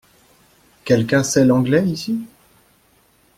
Quelqu’un sait l’anglais ici ?